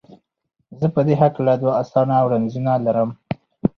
زه په دې هکله دوه اسانه وړاندیزونه لرم.